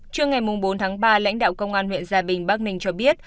trước ngày bốn tháng ba lãnh đạo công an huyện gia bình bác ninh cho biết